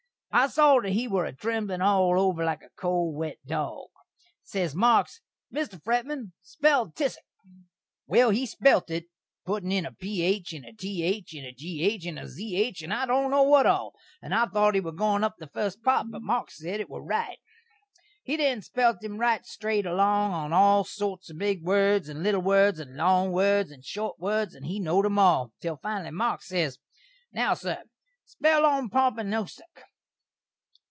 I saw that he were a tremblin' all over like a cold wet dog. Ses Marks, "Mr. Fretman, spell 'tisik.'" Well, he spelt it, puttin' in a ph and a th and a gh and a zh, and I don't know what all, and I thot he were gone up the fust pop, but Marks sed it were right. He then spelt him right strate along on all sorts of big words, and little words, and long words, and short words, and he knowd 'em all, til finally Marks ses, "Now, sur, spell 'Ompompynusuk.'"